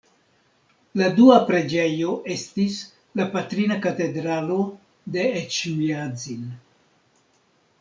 La dua preĝejo estis la Patrina Katedralo de Eĉmiadzin.